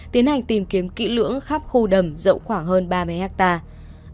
tiến hành tìm kiếm kỹ lưỡng khắp khu đầm rộng khoảng hơn ba mươi hectare